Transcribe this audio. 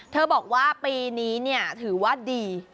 บอกว่าปีนี้ถือว่าดี